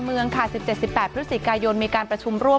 เมืองค่ะสิบเจ็ดสิบแปดพฤษศีกายโยนมีการประชุมร่วม